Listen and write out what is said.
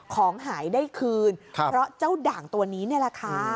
ของหายได้คืนเพราะเจ้าด่างตัวนี้นี่แหละค่ะ